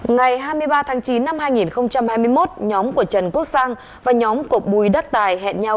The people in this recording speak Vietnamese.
ngày hai mươi ba tháng chín năm hai nghìn hai mươi một nhóm của trần quốc sang và nhóm của bùi đất tài hẹn nhau